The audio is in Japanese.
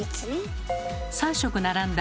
３色並んだ